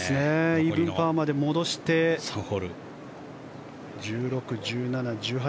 イーブンパーまで戻して１６、１７、１８。